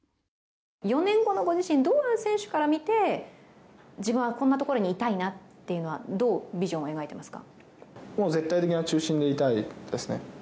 ４年後のご自身、堂安選手から見て自分はこんなところにいたいなというのは、どうビジョンを描いていますか。